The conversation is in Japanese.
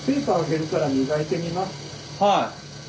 はい。